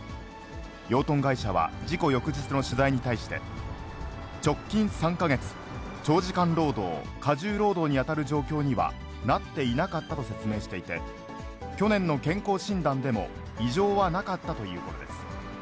養豚会社は事故翌日の取材に対して、直近３か月、長時間労働、過重労働に当たる状況にはなっていなかったと説明していて、去年の健康診断でも異常はなかったということです。